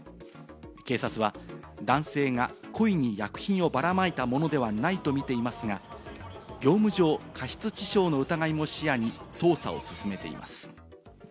警察は男性が故意に薬品をばらまいたものではないと見ていますが、業務上過失致傷の疑いも視野に捜査を進めています。